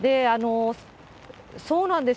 そうなんですよ。